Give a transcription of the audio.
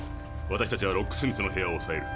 私たちはロックスミスの部屋をおさえる。